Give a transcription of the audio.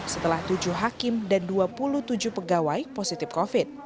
setelah tujuh hakim dan dua puluh tujuh pegawai positif covid